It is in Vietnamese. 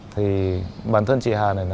thì bản thân chị hà này